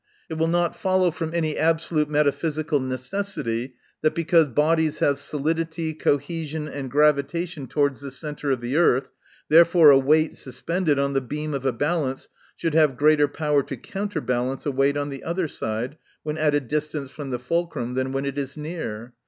It will not follow from any absolute metaphysical necessity, that because bodies have solidity, cohesion, and gravita tion towards the centre of the earth, therefore a wreight suspended on the beam of a balance should have greater power to counterbalance a weight on the other side, when at a distance from the fulcrum, than when it is near.